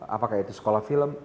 apa kaya itu sekolah film